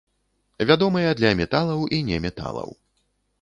Вядомыя для металаў і неметалаў.